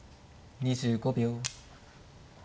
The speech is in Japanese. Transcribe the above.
２５秒。